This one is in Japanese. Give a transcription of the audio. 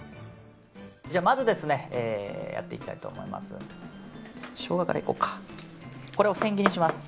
まずやっていきたいと思います。